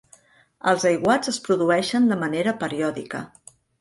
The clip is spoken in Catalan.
Els aiguats es produeixen de manera periòdica.